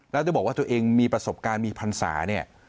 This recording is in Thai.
แล้วได้บอกว่าตัวเองมีประสบการณ์มีพรรษาเนี่ย